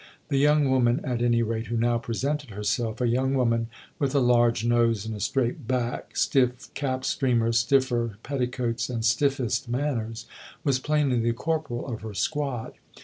The young woman, at any rate, who now presented herself, a young woman with a large nose and a straight back, stiff cap streamers, stiffer petticoats and stiffest manners, was plainly the corporal of her squad.